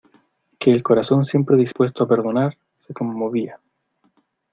que el corazón siempre dispuesto a perdonar, se conmovía.